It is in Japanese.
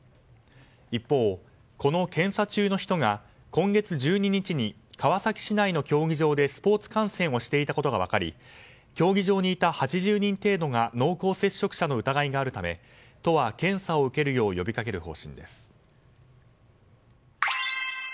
一方、この検査中の人が今月１２日に川崎市内の競技場でスポーツ観戦をしていたことが分かり競技場にいた８０人程度が濃厚接触者の疑いがあるため都は検査を受けるよう呼びかける方針です。